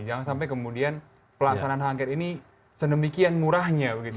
jangan sampai kemudian pelaksanaan h angket ini senemikian murahnya gitu